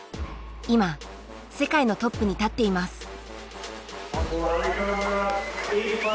今世界のトップに立っています。